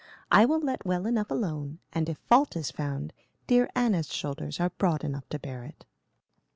I will let well enough alone, and if fault is found, dear Anna's shoulders are broad enough to bear it."